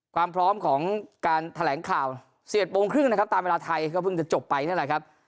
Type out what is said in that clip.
ความพร้อมของการแถลงข่าว๑๑โมงครึ่งนะครับตามเวลาไทยก็เพิ่งจะจบไปนั่นแหละครับ